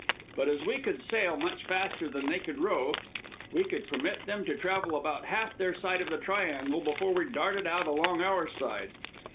But as we could sail much faster than they could row, we could permit them to travel about half their side of the triangle before we darted out along our side.